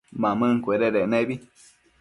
Mamëncuededec nebi